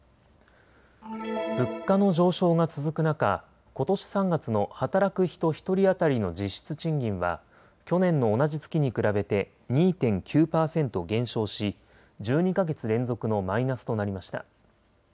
物価の上昇が続く中、ことし３月の働く人１人当たりの実質賃金は去年の同じ月に比べて２．９％減少し１２か月連続のマイナスとなりました。